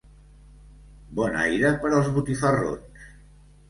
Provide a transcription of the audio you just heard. Bon aire per als botifarrons.